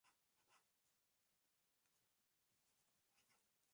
La educación fue dividida en dos departamentos: mecánico y químico.